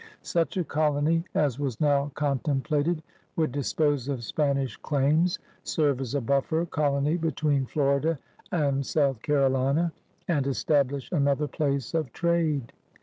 Such a colony as was now contemplated would dispose of Spanish claims, serve as a buffer colony betwe^i Florida and South Carolina, and establish another place of trade.